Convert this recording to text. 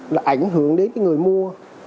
là ảnh hưởng đến người mua